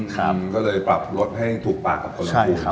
ก็เลยปรับรสให้ถูกปากกับคนลำพูนใช่มั้ยใช่ครับ